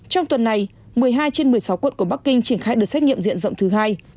trong tuần này một mươi hai trên một mươi sáu quận của bắc kinh triển khai đợt xét nghiệm diện rộng thứ hai